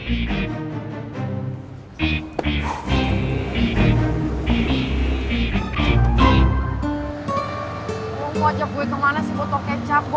kok ngajak gue kemana sih foto kecap